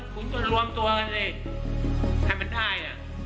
คุณต้องรวมตัวกันเลยให้มันได้